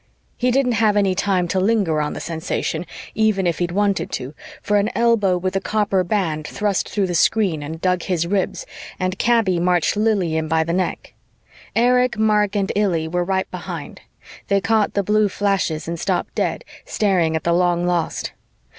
He didn't have any time to linger on the sensation, even if he'd wanted to, for an elbow with a copper band thrust through the screen and dug his ribs and Kaby marched Lili in by the neck. Erich, Mark and Illy were right behind. They caught the blue flashes and stopped dead, staring at the long lost.